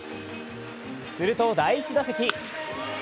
すると第１打席。